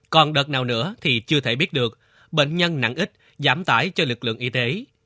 còn đợt nào nữa thì chưa thể biết được bệnh nhân nặng ít giảm tải cho lực lượng y tế